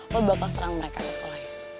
lo bakal serang mereka di sekolah itu